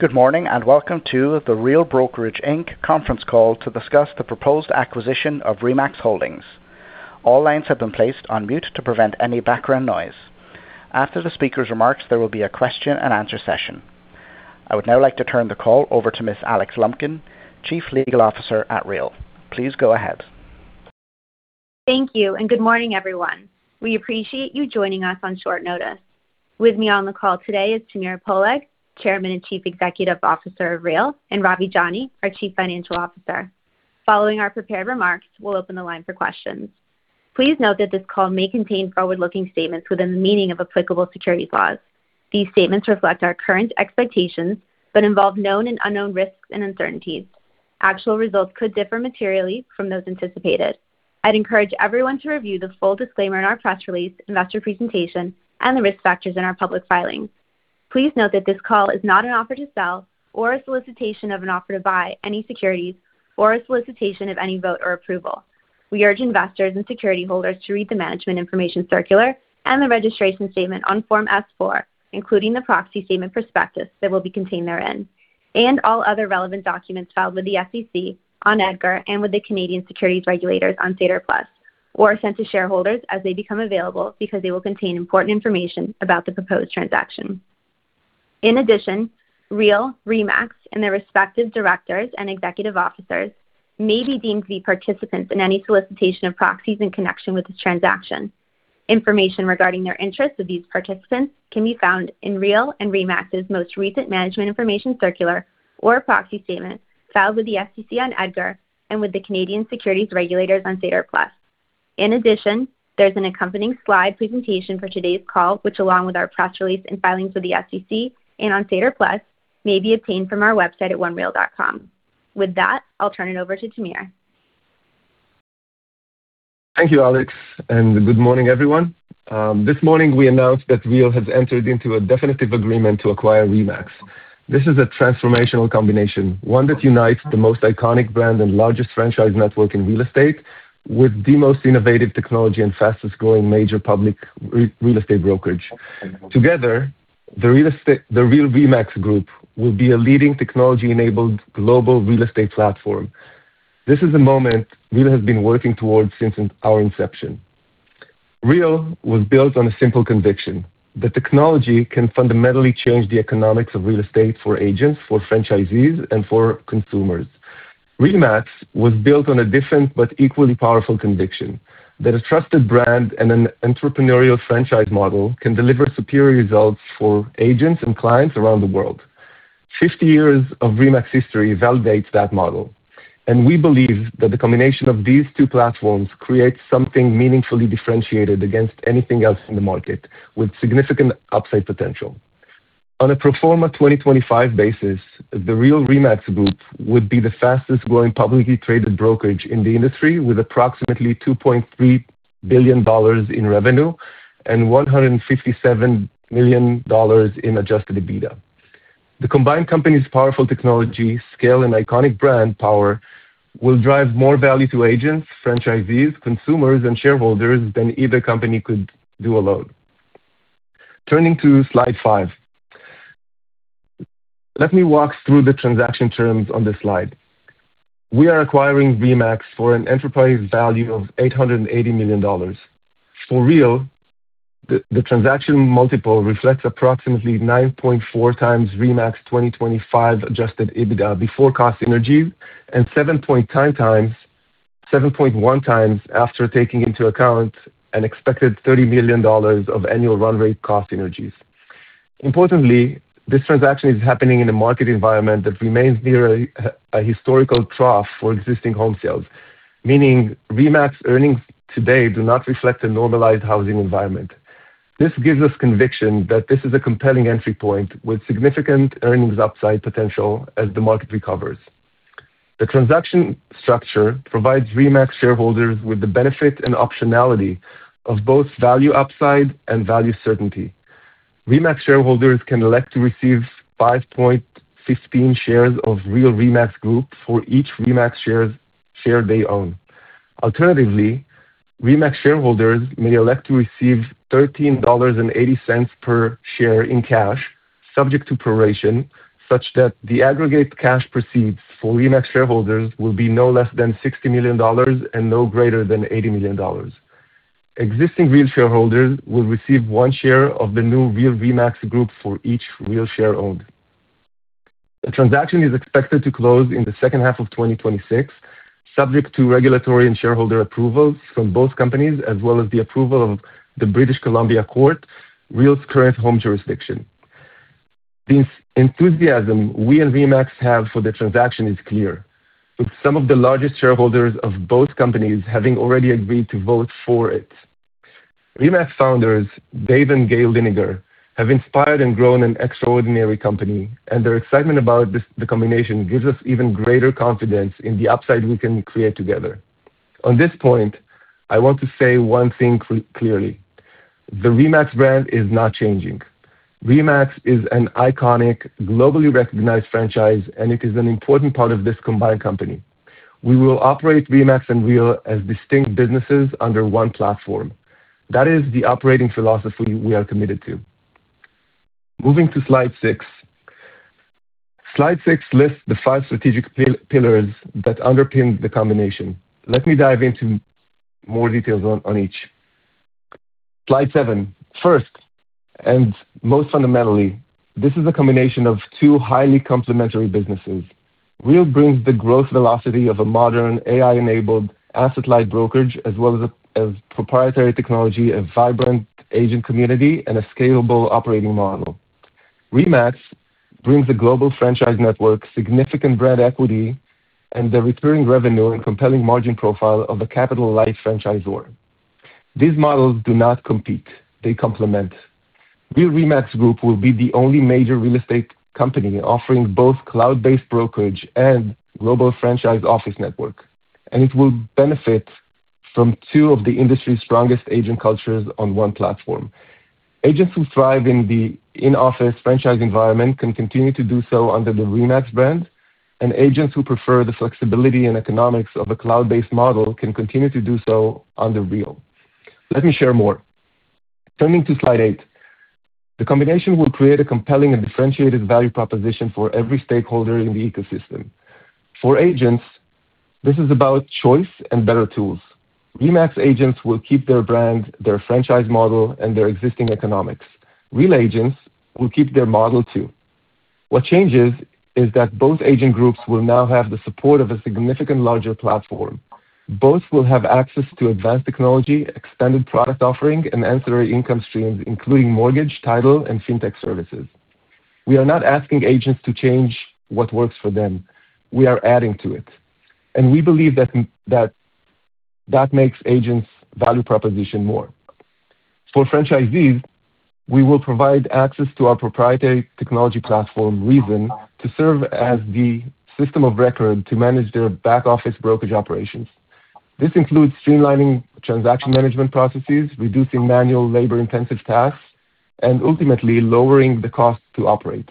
Good morning, and welcome to The Real Brokerage Inc. conference call to discuss the proposed acquisition of RE/MAX Holdings. All lines have been placed on mute to prevent any background noise. After the speaker's remarks, there will be a question-and-answer session. I would now like to turn the call over to Ms. Alex Lumpkin, Chief Legal Officer at Real. Please go ahead. Thank you, and good morning, everyone. We appreciate you joining us on short notice. With me on the call today is Tamir Poleg, Chairman and Chief Executive Officer of Real, and Ravi Jani, our Chief Financial Officer. Following our prepared remarks, we'll open the line for questions. Please note that this call may contain forward-looking statements within the meaning of applicable security laws. These statements reflect our current expectations, but involve known and unknown risks and uncertainties. Actual results could differ materially from those anticipated. I'd encourage everyone to review the full disclaimer in our press release, investor presentation, and the risk factors in our public filings. Please note that this call is not an offer to sell or a solicitation of an offer to buy any securities or a solicitation of any vote or approval. We urge investors and security holders to read the management information circular and the registration statement on Form S-4, including the proxy statement prospectus that will be contained therein, and all other relevant documents filed with the SEC on EDGAR and with the Canadian Securities Regulators on SEDAR+ or sent to shareholders as they become available because they will contain important information about the proposed transaction. In addition, Real, RE/MAX, and their respective directors and executive officers may be deemed to be participants in any solicitation of proxies in connection with this transaction. Information regarding the interests of these participants can be found in Real and RE/MAX's most recent management information circular or proxy statement filed with the SEC on EDGAR and with the Canadian Securities Regulators on SEDAR+. In addition, there's an accompanying slide presentation for today's call, which, along with our press release and filings with the SEC and on SEDAR+, may be obtained from our website at onereal.com. With that, I'll turn it over to Tamir. Thank you, Alex, and good morning, everyone. Um, this morning we announced that Real has entered into a definitive agreement to acquire RE/MAX. This is a transformational combination, one that unites the most iconic brand and largest franchise network in real estate with the most innovative technology and fastest-growing major public re-real estate brokerage. Together, the real est- the Real-RE/MAX group will be a leading technology-enabled global real estate platform. This is a moment Real has been working towards since in- our inception. Real was built on a simple conviction that technology can fundamentally change the economics of real estate for agents, for franchisees, and for consumers. RE/MAX was built on a different but equally powerful conviction that a trusted brand and an entrepreneurial franchise model can deliver superior results for agents and clients around the world. Fifty years of RE/MAX history validates that model, and we believe that the combination of these two platforms creates something meaningfully differentiated against anything else in the market with significant upside potential. On a pro forma 2025 basis, the Real RE/MAX Group would be the fastest-growing publicly traded brokerage in the industry, with approximately $2.3 billion in revenue and $157 million in adjusted EBITDA. The combined company's powerful technology, scale, and iconic brand power will drive more value to agents, franchisees, consumers, and shareholders than either company could do alone. Turning to slide five. Let me walk through the transaction terms on this slide. We are acquiring RE/MAX for an enterprise value of $880 million. For Real, the transaction multiple reflects approximately 9.4x RE/MAX 2025 adjusted EBITDA before cost synergies and 7.1x after taking into account an expected $30 million of annual run rate cost synergies. Importantly, this transaction is happening in a market environment that remains near a historical trough for existing home sales, meaning RE/MAX earnings today do not reflect a normalized housing environment. This gives us conviction that this is a compelling entry point with significant earnings upside potential as the market recovers. The transaction structure provides RE/MAX shareholders with the benefit and optionality of both value upside and value certainty. RE/MAX shareholders can elect to receive 5.15 shares of Real RE/MAX Group for each RE/MAX share they own. Alternatively, RE/MAX shareholders may elect to receive $13.80 per share in cash, subject to proration, such that the aggregate cash proceeds for RE/MAX shareholders will be no less than $60 million and no greater than $80 million. Existing Real shareholders will receive 1 share of the new Real RE/MAX Group for each Real share owned. The transaction is expected to close in the second half of 2026, subject to regulatory and shareholder approvals from both companies as well as the approval of the British Columbia Court, Real's current home jurisdiction. The enthusiasm we and RE/MAX have for the transaction is clear, with some of the largest shareholders of both companies having already agreed to vote for it. RE/MAX founders, Dave and Gail Liniger, have inspired and grown an extraordinary company, and their excitement about this, the combination, gives us even greater confidence in the upside we can create together. On this point, I want to say one thing clearly. The RE/MAX brand is not changing. RE/MAX is an iconic, globally recognized franchise, and it is an important part of this combined company. We will operate RE/MAX and Real as distinct businesses under one platform. That is the operating philosophy we are committed to. Moving to slide 6. Slide 6 lists the five strategic pillars that underpin the combination. Let me dive into more details on each. Slide seven. First, and most fundamentally, this is a combination of two highly complementary businesses. Real brings the growth velocity of a modern AI-enabled asset-light brokerage as well as as proprietary technology, a vibrant agent community, and a scalable operating model. RE/MAX brings a global franchise network, significant brand equity, and the recurring revenue and compelling margin profile of a capital light franchisor. These models do not compete, they complement. Real RE/MAX Group will be the only major real estate company offering both cloud-based brokerage and global franchise office network. It will benefit from two of the industry's strongest agent cultures on one platform. Agents who thrive in the in-office franchise environment can continue to do so under the RE/MAX brand, and agents who prefer the flexibility and economics of a cloud-based model can continue to do so under Real. Let me share more. Turning to slide eight. The combination will create a compelling and differentiated value proposition for every stakeholder in the ecosystem. For agents, this is about choice and better tools. RE/MAX agents will keep their brand, their franchise model, and their existing economics. Real agents will keep their model too. What changes is that both agent groups will now have the support of a significantly larger platform. Both will have access to advanced technology, extended product offering, and ancillary income streams, including mortgage, title, and fintech services. We are not asking agents to change what works for them, we are adding to it, and we believe that makes agents' value proposition more. For franchisees, we will provide access to our proprietary technology platform, reZEN, to serve as the system of record to manage their back-office brokerage operations. This includes streamlining transaction management processes, reducing manual labor-intensive tasks, and ultimately lowering the cost to operate.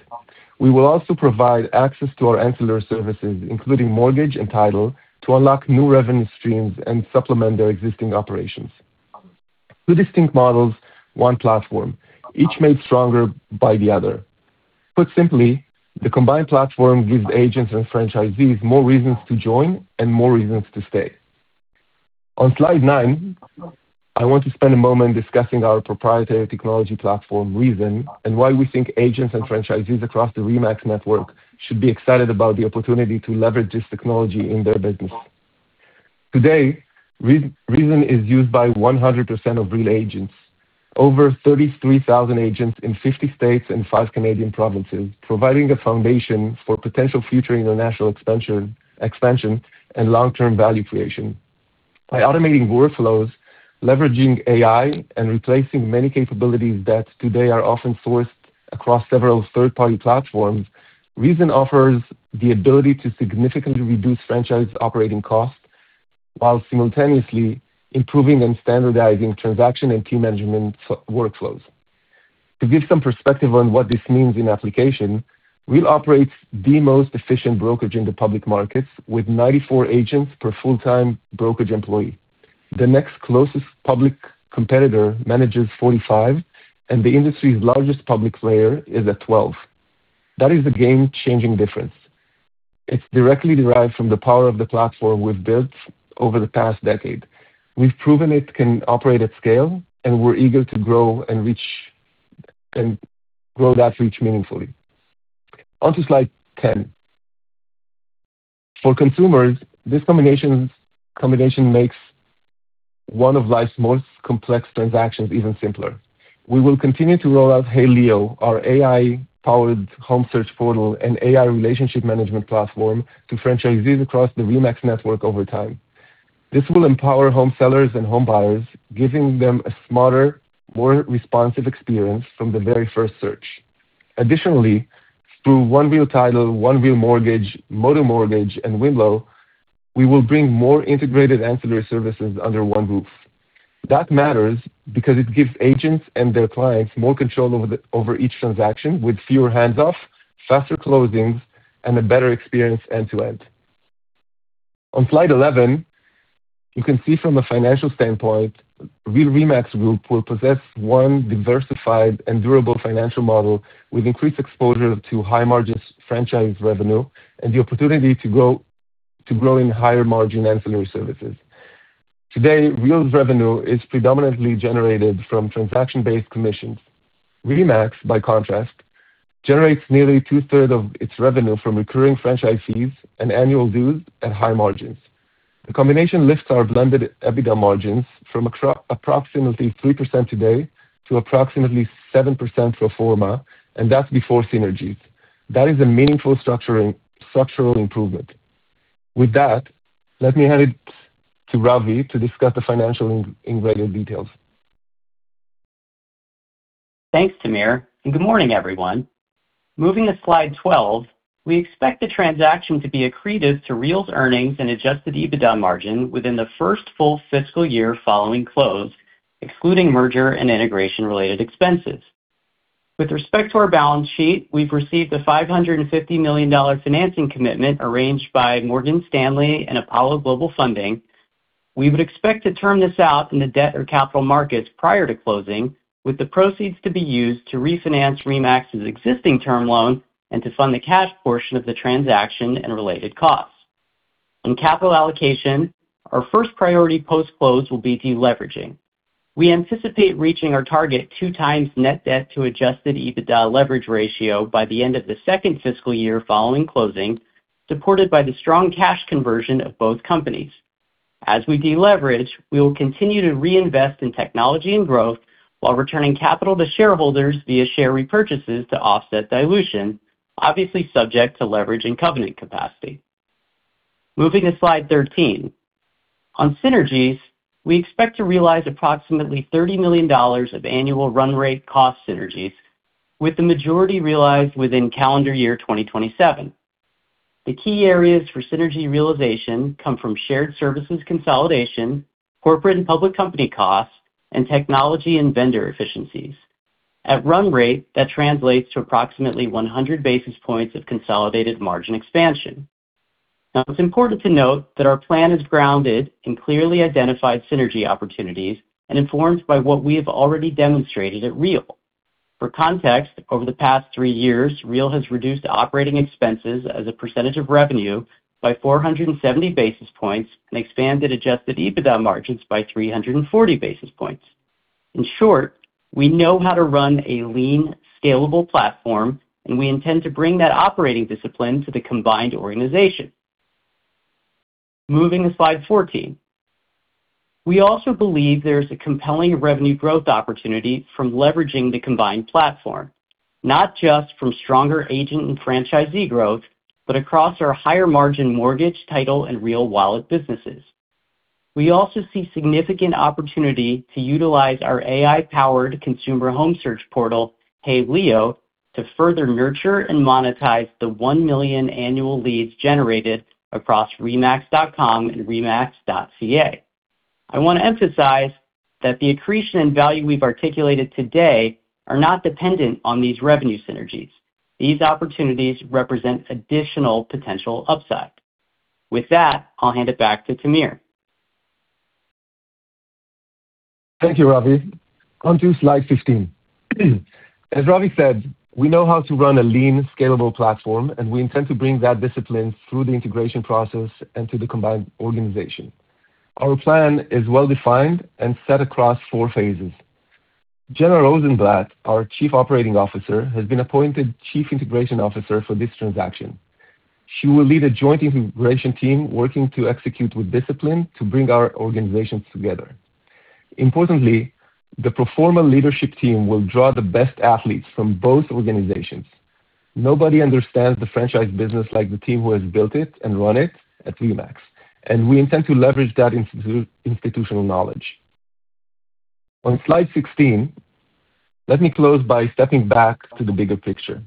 We will also provide access to our ancillary services, including mortgage and title, to unlock new revenue streams and supplement their existing operations. Two distinct models, one platform, each made stronger by the other. Put simply, the combined platform gives agents and franchisees more reasons to join and more reasons to stay. On slide nine, I want to spend a moment discussing our proprietary technology platform, reZEN, and why we think agents and franchisees across the RE/MAX network should be excited about the opportunity to leverage this technology in their business. Today, reZEN is used by 100% of Real agents. Over 33,000 agents in 50 states and five Canadian provinces, providing a foundation for potential future international expansion and long-term value creation. By automating workflows, leveraging AI, and replacing many capabilities that today are often sourced across several third-party platforms, reZEN offers the ability to significantly reduce franchise operating costs while simultaneously improving and standardizing transaction and team management workflows. To give some perspective on what this means in application, Real operates the most efficient brokerage in the public markets with 94 agents per full-time brokerage employee. The next closest public competitor manages 45, and the industry's largest public player is at 12. That is a game-changing difference. It's directly derived from the power of the platform we've built over the past decade. We've proven it can operate at scale, and we're eager to grow that reach meaningfully. On to slide 10. For consumers, this combination makes one of life's most complex transactions even simpler. We will continue to roll out HeyLeo, our AI-powered home search portal and AI relationship management platform to franchisees across the RE/MAX network over time. This will empower home sellers and home buyers, giving them a smarter, more responsive experience from the very first search. Additionally, through One Real Title, One Real Mortgage, Motto Mortgage, and wemlo, we will bring more integrated ancillary services under one roof. That matters because it gives agents and their clients more control over the, over each transaction with fewer hands off, faster closings, and a better experience end to end. On slide eleven, you can see from a financial standpoint, Real RE/MAX Group will possess one diversified and durable financial model with increased exposure to high margins franchise revenue and the opportunity to grow, to grow in higher margin ancillary services. Today, Real's revenue is predominantly generated from transaction-based commissions. RE/MAX, by contrast, generates nearly two-third of its revenue from recurring franchise fees and annual dues at high margins. The combination lifts our blended EBITDA margins from appro-approximately 3% today to approximately 7% pro forma, and that's before synergies. That is a meaningful structuring-- structural improvement. With that, let me hand it to Ravi to discuss the financial in greater details. Thanks, Tamir, and good morning, everyone. Moving to slide 12, we expect the transaction to be accretive to Real's earnings and adjusted EBITDA margin within the first full fiscal year following close, excluding merger and integration related expenses. With respect to our balance sheet, we've received a $550 million financing commitment arranged by Morgan Stanley and Apollo Global Funding. We would expect to term this out in the debt or capital markets prior to closing, with the proceeds to be used to refinance RE/MAX's existing term loan and to fund the cash portion of the transaction and related costs. In capital allocation, our first priority post-close will be deleveraging. We anticipate reaching our target 2x net debt to adjusted EBITDA leverage ratio by the end of the second fiscal year following closing, supported by the strong cash conversion of both companies. As we deleverage, we will continue to reinvest in technology and growth while returning capital to shareholders via share repurchases to offset dilution, obviously subject to leverage and covenant capacity. Moving to slide 13. On synergies, we expect to realize approximately $30 million of annual run rate cost synergies, with the majority realized within calendar year 2027. The key areas for synergy realization come from shared services consolidation, corporate and public company costs, and technology and vendor efficiencies. At run-rate, that translates to approximately 100 basis points of consolidated margin expansion. Now, it's important to note that our plan is grounded in clearly identified synergy opportunities and informed by what we have already demonstrated at Real. For context, over the past three years, Real has reduced operating expenses as a percentage of revenue by 470 basis points and expanded adjusted EBITDA margins by 340 basis points. In short, we know how to run a lean, scalable platform, and we intend to bring that operating discipline to the combined organization. Moving to slide 14. We also believe there's a compelling revenue growth opportunity from leveraging the combined platform, not just from stronger agent and franchisee growth, but across our higher-margin mortgage, title, and Real Wallet businesses. We also see significant opportunity to utilize our AI-powered consumer home search portal, HeyLeo, to further nurture and monetize the 1 million annual leads generated across remax.com and remax.ca. I wanna emphasize that the accretion and value we've articulated today are not dependent on these revenue synergies. These opportunities represent additional potential upside. With that, I'll hand it back to Tamir. Thank you, Ravi. Onto slide 15. As Ravi said, we know how to run a lean, scalable platform, and we intend to bring that discipline through the integration process and to the combined organization. Our plan is well-defined and set across four phases. Jenna Rozenblat, our Chief Operating Officer, has been appointed Chief Integration Officer for this transaction. She will lead a joint integration team working to execute with discipline to bring our organizations together. Importantly, the pro forma leadership team will draw the best athletes from both organizations. Nobody understands the franchise business like the team who has built it and run it at RE/MAX, and we intend to leverage that institutional knowledge. On slide 16, let me close by stepping back to the bigger picture.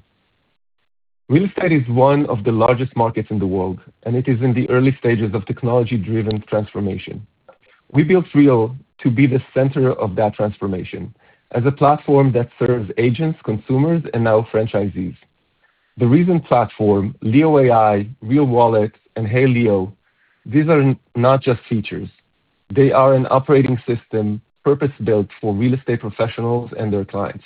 Real estate is one of the largest markets in the world, and it is in the early stages of technology-driven transformation. We built Real to be the center of that transformation as a platform that serves agents, consumers, and now franchisees. The reZEN platform, Leo AI, Real Wallet, and HeyLeo, these are not just features. They are an operating system purpose-built for real estate professionals and their clients.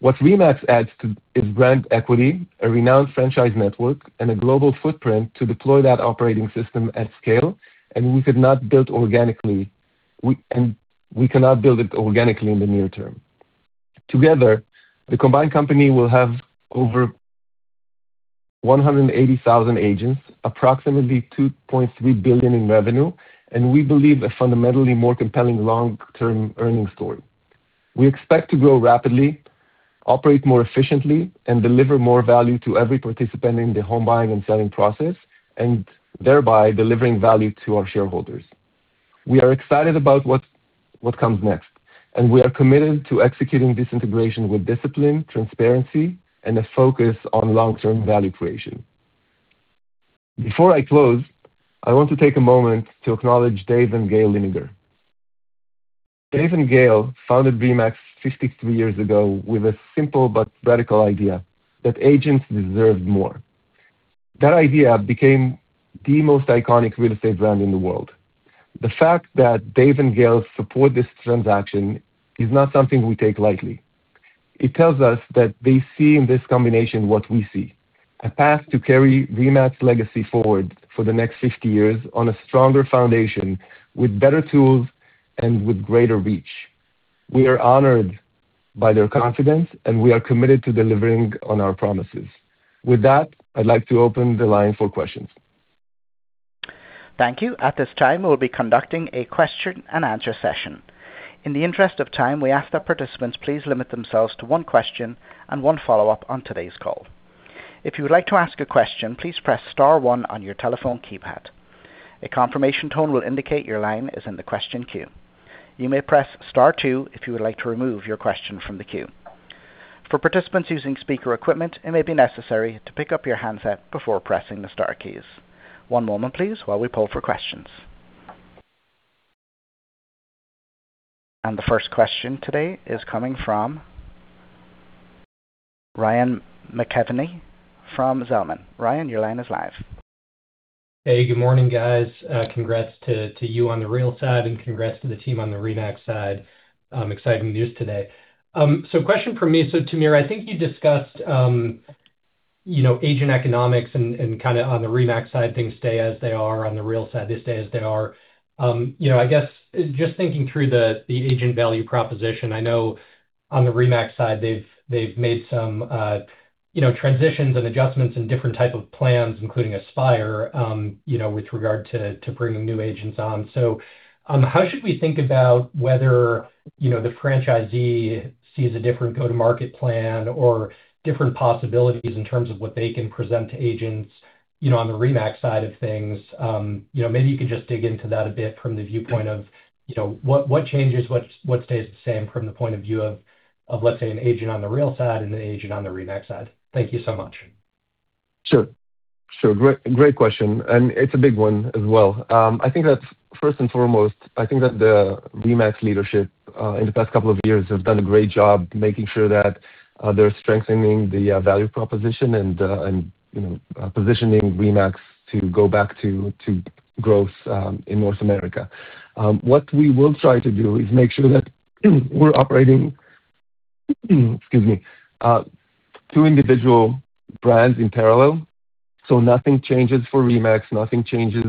What RE/MAX adds to is brand equity, a renowned franchise network, and a global footprint to deploy that operating system at scale, and we could not build organically, and we cannot build it organically in the near term. Together, the combined company will have over 180,000 agents, approximately $2.3 billion in revenue, and we believe a fundamentally more compelling long-term earnings story. We expect to grow rapidly, operate more efficiently, and deliver more value to every participant in the home buying and selling process, and thereby delivering value to our shareholders. We are excited about what comes next, and we are committed to executing this integration with discipline, transparency, and a focus on long-term value creation. Before I close, I want to take a moment to acknowledge Dave and Gail Liniger. Dave and Gail founded RE/MAX 53 years ago with a simple but radical idea that agents deserved more. That idea became the most iconic real estate brand in the world. The fact that Dave and Gail support this transaction is not something we take lightly. It tells us that they see in this combination what we see, a path to carry RE/MAX legacy forward for the next 50 years on a stronger foundation with better tools and with greater reach. We are honored by their confidence, and we are committed to delivering on our promises. With that, I'd like to open the line for questions. Thank you. At this time, we'll be conducting a question-and-answer session. In the interest of time, we ask that participants please limit themselves to one question and one follow-up on today's call. If you would like to ask a question, please press star one on your telephone keypad. A confirmation tone will indicate your line is in the question queue. You may press star two if you would like to remove your question from the queue. For participants using speaker equipment, it may be necessary to pick up your handset before pressing the star keys. One moment, please, while we poll for questions. The first question today is coming from Ryan McKeveny from Zelman. Ryan, your line is live. Hey, good morning, guys. Uh, congrats to you on the Real side, and congrats to the team on the RE/MAX side. Um, exciting news today. Um, so question for me. So Tamir, I think you discussed, um, you know, agent economics and kinda on the RE/MAX side, things stay as they are, on the Real side they stay as they are. Um, you know, I guess just thinking through the agent value proposition, I know on the RE/MAX side, they've made some, uh, you know, transitions and adjustments and different type of plans, including Aspire, um, you know, with regard to bringing new agents on. So, um, how should we think about whether, you know, the franchisee sees a different go-to-market plan or different possibilities in terms of what they can present to agents, you know, on the RE/MAX side of things? You know, maybe you could just dig into that a bit from the viewpoint of, you know, what changes, what stays the same from the point of view of, let's say, an agent on the Real side and an agent on the RE/MAX side. Thank you so much. Sure. Great question, and it's a big one as well. I think that first and foremost, I think that the RE/MAX leadership in the past couple of years has done a great job making sure that they're strengthening the value proposition and, you know, positioning RE/MAX to go back to growth in North America. What we will try to do is make sure that we're operating, excuse me, two individual brands in parallel, so nothing changes for RE/MAX, nothing changes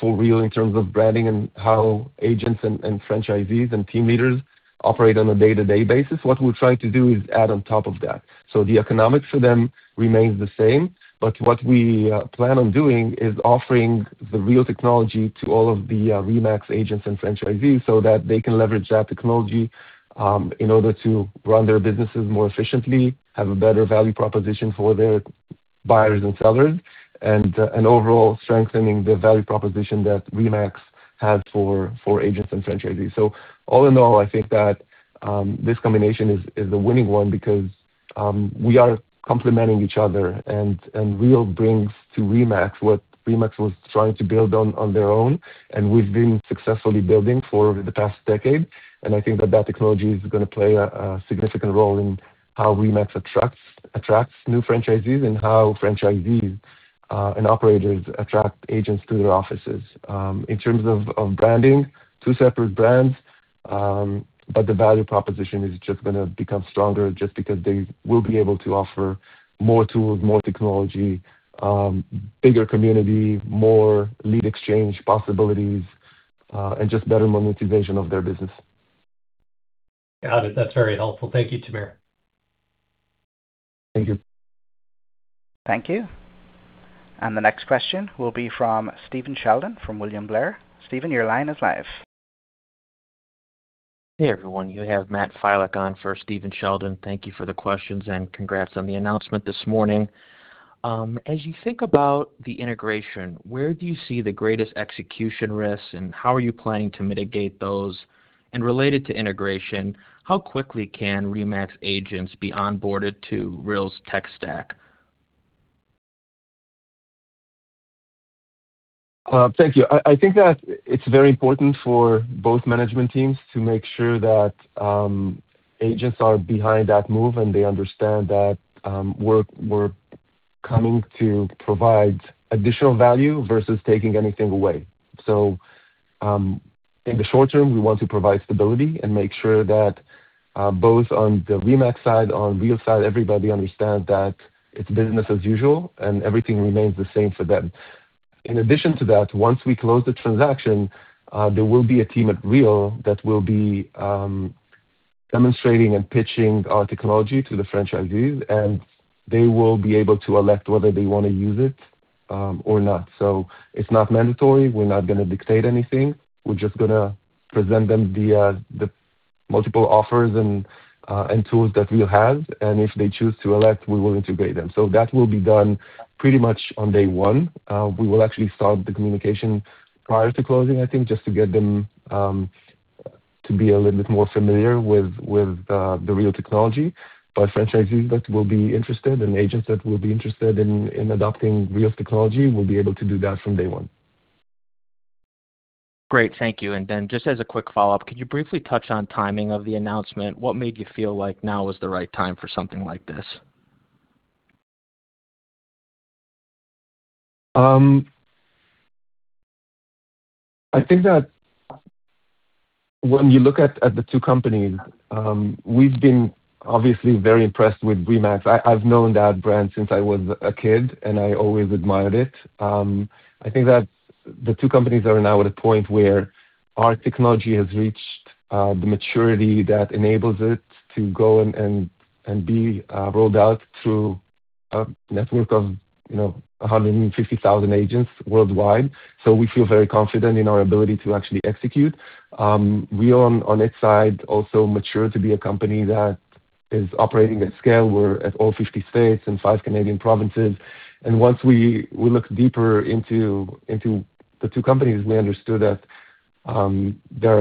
for Real in terms of branding and how agents and franchisees and team leaders operate on a day-to-day basis. What we're trying to do is add on top of that. The economics for them remains the same, but what we plan on doing is offering the Real technology to all of the RE/MAX agents and franchisees so that they can leverage that technology in order to run their businesses more efficiently, have a better value proposition for their buyers and sellers and overall strengthening the value proposition that RE/MAX has for agents and franchisees. All in all, I think that this combination is a winning one because we are complementing each other and Real brings to RE/MAX what RE/MAX was trying to build on their own, and we've been successfully building for the past decade. I think that technology is gonna play a significant role in how RE/MAX attracts new franchisees and how franchisees and operators attract agents to their offices. In terms of branding, two separate brands, but the value proposition is just gonna become stronger just because they will be able to offer more tools, more technology, bigger community, more lead exchange possibilities, and just better monetization of their business. Got it. That's very helpful. Thank you, Tamir. Thank you. Thank you. The next question will be from Stephen Sheldon from William Blair. Stephen, your line is live. Hey, everyone. You have Matt Filek on for Stephen Sheldon. Thank you for the questions and congrats on the announcement this morning. As you think about the integration, where do you see the greatest execution risks, and how are you planning to mitigate those? Related to integration, how quickly can RE/MAX agents be onboarded to Real's tech stack? Thank you. I think that it's very important for both management teams to make sure that agents are behind that move and they understand that we're coming to provide additional value versus taking anything away. In the short term, we want to provide stability and make sure that both on the RE/MAX side, on Real side, everybody understand that it's business as usual and everything remains the same for them. In addition to that, once we close the transaction, there will be a team at Real that will be demonstrating and pitching our technology to the franchisees, and they will be able to elect whether they wanna use it or not. It's not mandatory. We're not gonna dictate anything. We're just gonna present them the multiple offers and tools that we'll have, and if they choose to elect, we will integrate them. That will be done pretty much on day one. We will actually start the communication prior to closing, I think, just to get them to be a little bit more familiar with the Real technology. Franchisees that will be interested and agents that will be interested in adopting Real's technology will be able to do that from day one. Great. Thank you. Just as a quick follow-up, could you briefly touch on timing of the announcement? What made you feel like now was the right time for something like this? Um, I think that when you look at the two companies, um, we've been obviously very impressed with RE/MAX. I've known that brand since I was a kid, and I always admired it. Um, I think that the two companies are now at a point where our technology has reached, uh, the maturity that enables it to go and, and be, uh, rolled out through a network of, you know, a hundred and fifty thousand agents worldwide. So we feel very confident in our ability to actually execute. Um, we on its side also mature to be a company that is operating at scale. We're at all fifty states and five Canadian provinces. And once we look deeper into the two companies, we understood that, um, they're,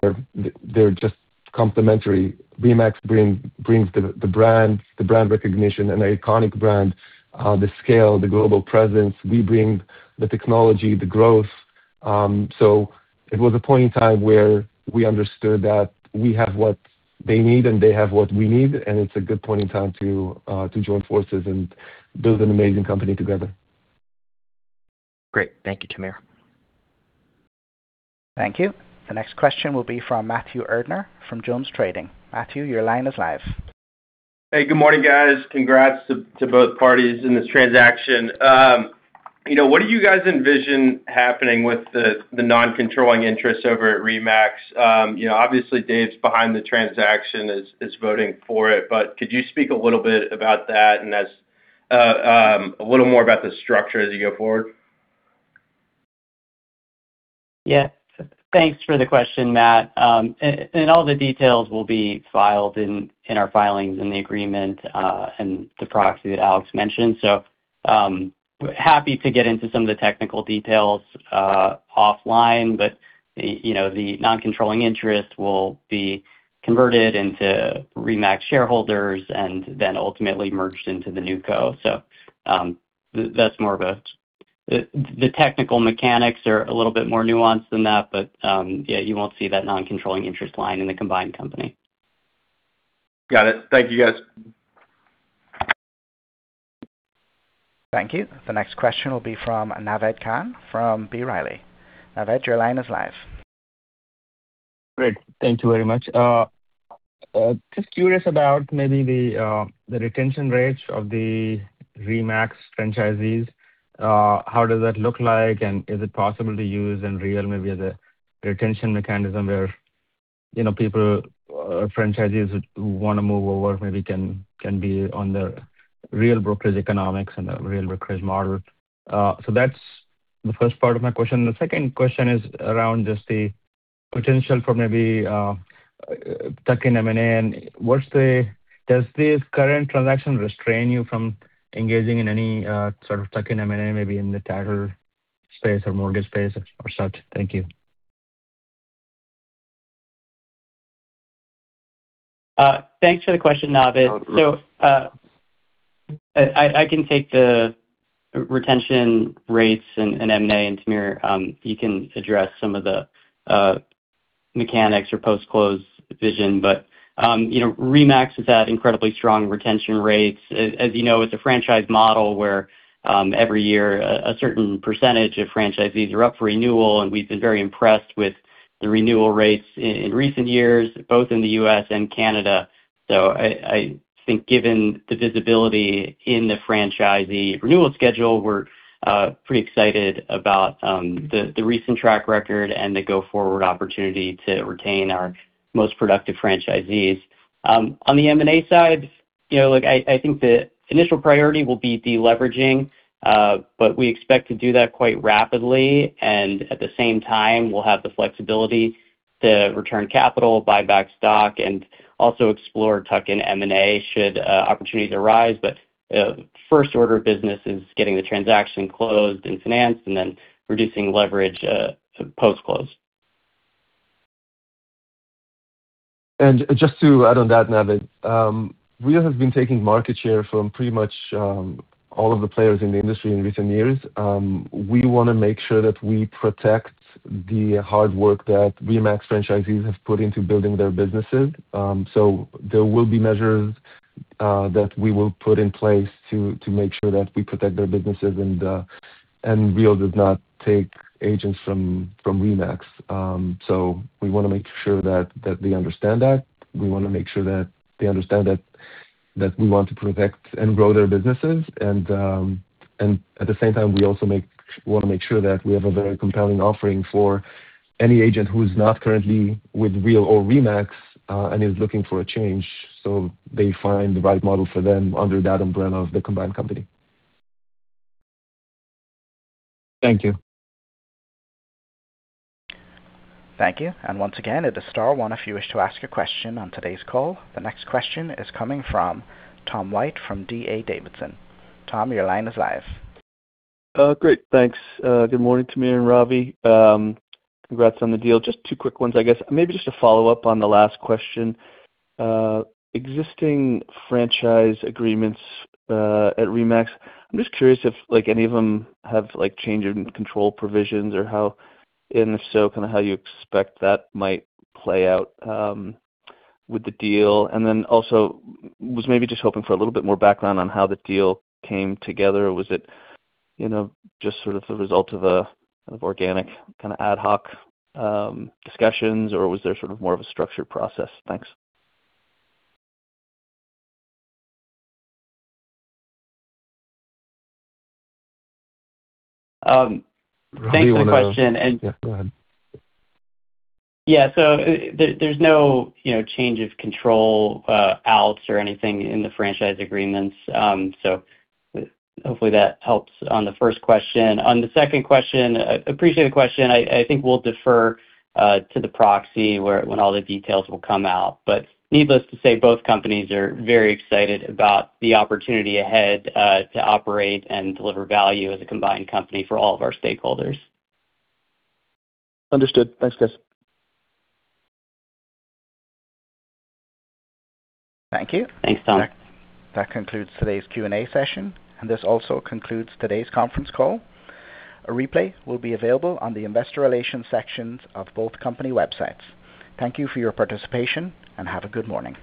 they're just complimentary. RE/MAX brings the brand recognition and the iconic brand, the scale, the global presence. We bring the technology, the growth. It was a point in time where we understood that we have what they need, and they have what we need, and it's a good point in time to join forces and build an amazing company together. Great. Thank you, Tamir. Thank you. The next question will be from Matthew Erdner from JonesTrading. Matthew, your line is live. Hey, good morning, guys. Congrats to both parties in this transaction. You know, what do you guys envision happening with the non-controlling interest over at RE/MAX? You know, obviously, Dave's behind the transaction is voting for it, but could you speak a little bit about that and a little more about the structure as you go forward? Yeah. Thanks for the question, Matt. Um, a-and all the details will be filed in our filings in the agreement, uh, and the proxy that Alex mentioned. So, um, happy to get into some of the technical details, uh, offline, but, y-you know, the non-controlling interest will be converted into RE/MAX shareholders and then ultimately merged into the new co. So, um, that's more of a... The, the technical mechanics are a little bit more nuanced than that, but, um, yeah, you won't see that non-controlling interest line in the combined company. Got it. Thank you, guys. Thank you. The next question will be from Naved Khan from B. Riley. Naved, your line is live. Great. Thank you very much. Just curious about maybe the retention rates of the RE/MAX franchisees. How does that look like and is it possible to use in Real maybe as a retention mechanism where people franchises will want to move over, maybe can be on that Real Brokerage economics and Real or RE/MAX. That was the first part of my question. The second question is around the potential for maybe taking M&A. Does this current transaction restrain you from engaging in any self taking M&A maybe in the tighter space or more space? Thank you. Uh, thanks for the question, Naved. So, uh, I, I can take the retention rates and M&A, and Tamir, um, you can address some of the, uh, mechanics or post-close vision. But, um, you know, RE/MAX has had incredibly strong retention rates. A-as you know, it's a franchise model where, um, every year a certain percentage of franchisees are up for renewal, and we've been very impressed with the renewal rates in recent years, both in the US and Canada. So I think given the visibility in the franchisee renewal schedule, we're, uh, pretty excited about, um, the recent track record and the go-forward opportunity to retain our most productive franchisees. On the M&A side, you know, look, I think the initial priority will be deleveraging, but we expect to do that quite rapidly, and at the same time we'll have the flexibility to return capital, buy back stock, and also explore tuck-in M&A should opportunities arise. First order of business is getting the transaction closed and financed and then reducing leverage post-close. Just to add on that, Naved, we have been taking market share from pretty much all of the players in the industry in recent years. We wanna make sure that we protect the hard work that RE/MAX franchisees have put into building their businesses. There will be measures that we will put in place to make sure that we protect their businesses and Real does not take agents from RE/MAX. We wanna make sure that they understand that. We wanna make sure that they understand that we want to protect and grow their businesses. At the same time, we also make-- wanna make sure that we have a very compelling offering for any agent who's not currently with Real or RE/MAX, uh, and is looking for a change, so they find the right model for them under that umbrella of the combined company. Thank you. Thank you. And once again, it is star one if you wish to ask a question on today's call. The next question is coming from Tom White from D.A. Davidson. Tom, your line is live. Great. Thanks. Good morning, Tamir and Ravi. Um, congrats on the deal. Just two quick ones, I guess. Maybe just to follow up on the last question. Uh, existing franchise agreements, uh, at RE/MAX, I'm just curious if, like, any of them have, like, change in control provisions or how, and if so, kinda how you expect that might play out, um, with the deal. And then also was maybe just hoping for a little bit more background on how the deal came together. Was it, you know, just sort of the result of a kind of organic, kinda ad hoc, um, discussions, or was there sort of more of a structured process? Thanks. Thanks for the question. Ravi, you wanna- Yeah, so there's no, you know, change of control, uh, outs or anything in the franchise agreements. Um, so hopefully that helps on the first question. On the second question, uh, appreciate the question. I think we'll defer, uh, to the proxy where-- when all the details will come out. But needless to say, both companies are very excited about the opportunity ahead, uh, to operate and deliver value as a combined company for all of our stakeholders. Understood. Thanks, guys. Thank you. Thanks, Tom. That, that concludes today's Q&A session, and this also concludes today's conference call. A replay will be available on the investor relations sections of both company websites. Thank you for your participation, and have a good morning.